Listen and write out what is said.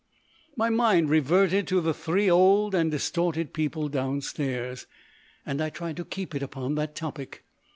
My mind reverted to the three old and distorted people downstairs, and I tried to keep it upon that topic.